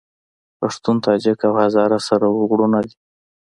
پښتون، تاجک او هزاره سره وروڼه دي